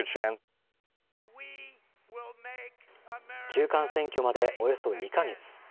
中間選挙までおよそ２か月。